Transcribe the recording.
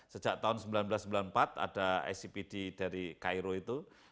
sejak tahun seribu sembilan ratus sembilan puluh empat ada icpd dari cairo itu